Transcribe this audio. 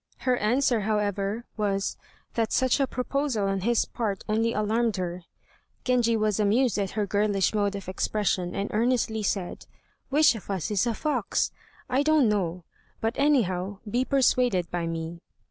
Her answer, however, was "That such a proposal on his part only alarmed her." Genji was amused at her girlish mode of expression, and earnestly said, "Which of us is a fox? I don't know, but anyhow be persuaded by me."